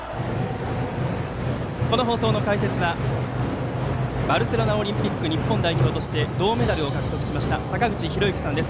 この放送の解説はバルセロナオリンピック日本代表として銅メダルを獲得しました坂口裕之さんです。